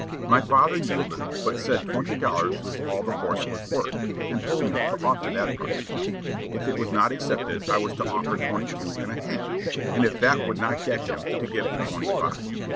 My father yielded, but said twenty dollars was all the horse was worth, and told me to offer that price; if it was not accepted, I was to offer twenty two and a half, and if that would not get him, to give the twenty five.